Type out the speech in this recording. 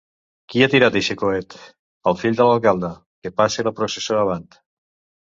Qui ha tirat eixe coet? —El fill de l'alcalde. —Que passe la processó avant.